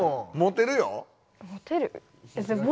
モテるよ。